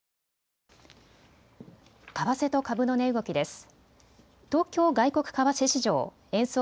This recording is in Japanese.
為替と株の値動きです。